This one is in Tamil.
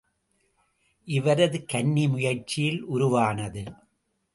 இவரது கன்னி முயற்சியில் உருவானது.